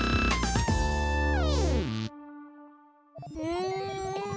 うん。